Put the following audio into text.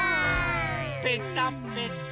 ぺたぺた。